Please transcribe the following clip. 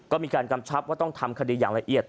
ก็มีการกำชับว่าต้องทำคดีอย่างละเอียด